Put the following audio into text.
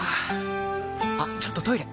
あっちょっとトイレ！